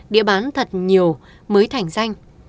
đĩa bán thật nhiều mới thành danh